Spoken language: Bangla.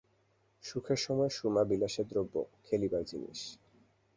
সুখের সময় সুরমা বিলাসের দ্রব্য, খেলিবার জিনিষ।